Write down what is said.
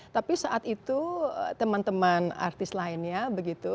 tapi saat itu teman teman artis lainnya begitu